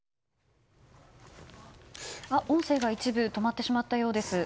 音声が一部止まってしまったようです。